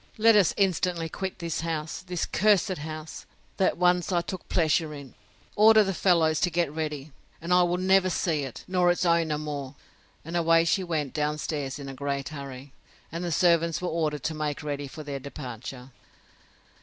Let us instantly quit this house, this cursed house, that once I took pleasure in! Order the fellows to get ready, and I will never see it, nor its owner, more. And away she went down stairs, in a great hurry. And the servants were ordered to make ready for their departure.